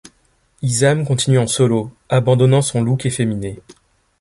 Izam continue en solo, abandonnant son look efféminé.